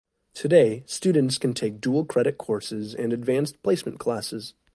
Today, students can take Dual-credit courses and Advanced Placement classes.